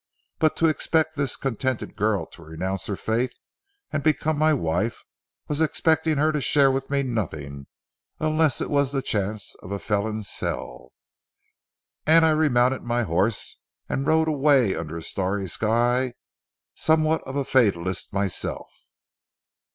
But to expect this contented girl to renounce her faith and become my wife, was expecting her to share with me nothing, unless it was the chance of a felon's cell, and I remounted my horse and rode away under a starry sky, somewhat of a fatalist myself.